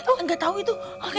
bang documentu nya